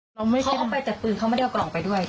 เขาออกไปเจ็บปืนเข้าไปเดียวกล่องไปด้วย